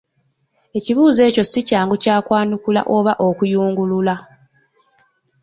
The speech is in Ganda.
Ekibuuzo ekyo si kyangu kya kwanukula oba okuyungulula.